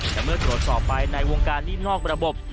แต่เมื่อตรวจสอบไปในวงการหนี้นอกระบบ